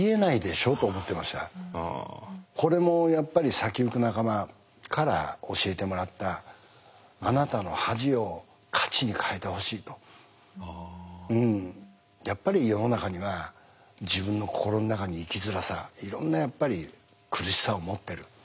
これもやっぱり先行く仲間から教えてもらったあなたのやっぱり世の中には自分の心の中に生きづらさいろんなやっぱり苦しさを持ってる。